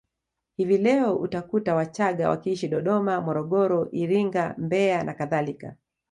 Hivi leo utakuta Wachagga wakiishi Dodoma Morogoro Iringa Mbeya na kadhalika